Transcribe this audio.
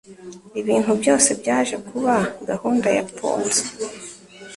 Ibintu byose byaje kuba gahunda ya Ponzi.